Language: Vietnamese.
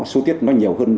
số tiết nó nhiều hơn